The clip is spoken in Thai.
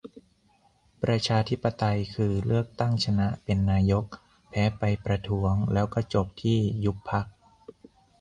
ประชาธิปไตย คือ เลือกตั้ง ชนะเป็นนายก แพ้ไปประท้วง แล้วก็จบที่ยุบพรรค